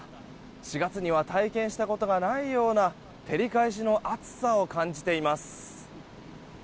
４月には体験したことがないような照り返しの暑さを感じています。